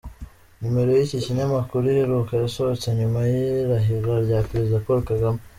Nimero y’iki kinyamakuru iheruka yasohotse nyuma y’irahira rya Perezida Paul Kagame.